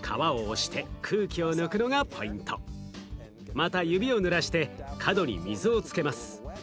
また指をぬらして角に水をつけます。